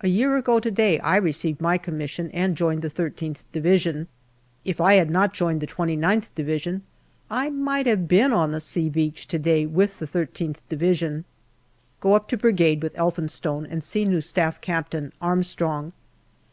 A year ago to day I received my com mission and joined the I3th Division. If I had not joined the agth Division I might have been on the " C " Beach to day with the I3th Division. Go up to Brigade with Elphinstone and see new Staff Captain Armstrong.